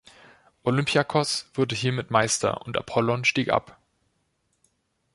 Olympiakos wurde hiermit Meister und Apollon stieg ab.